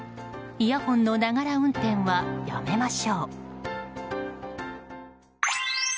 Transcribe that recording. イヤホンのながら運転はやめましょう。